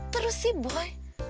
terus si boy